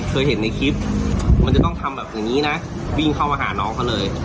เคยเห็นในคลิปมันจะต้องทำแบบอย่างนี้นะวิ่งเข้ามาหาน้องเขาเลย